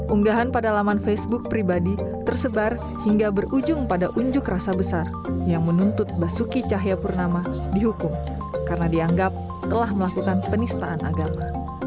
unggahan pada laman facebook pribadi tersebar hingga berujung pada unjuk rasa besar yang menuntut basuki cahayapurnama dihukum karena dianggap telah melakukan penistaan agama